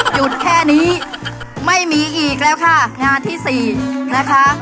หยุดแค่นี้ไม่มีอีกแล้วค่ะงานที่สี่นะคะ